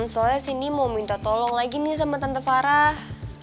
soalnya sini mau minta tolong lagi nih sama tante farah